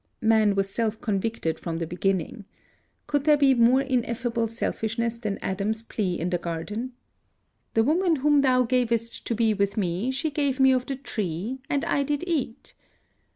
Man was self convicted from the beginning. Could there be more ineffable selfishness than Adam's plea in the garden? "The woman whom thou gavest to be with me, she gave me of the tree and I did eat."